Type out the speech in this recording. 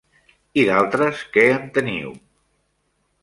I d'altres, que en teniu?